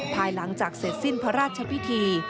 ภายหลังจากเสร็จสิ้นพระราชพิธี